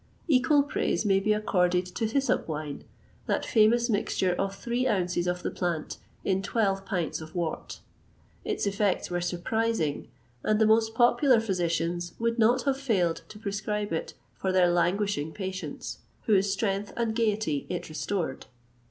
[XXVIII 155] Equal praise may be accorded to hyssop wine, that famous mixture of three ounces of the plant in twelve pints of wort.[XXVIII 156] Its effects were surprising, and the most popular physicians would not have failed to prescribe it for their languishing patients, whose strength and gaiety it restored.